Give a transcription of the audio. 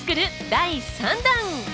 第３弾！